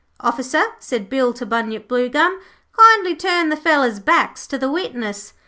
'Officer,' said Bill to Bunyip Bluegum, 'kindly turn the felons' backs to the witness.'